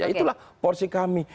itulah porsi kami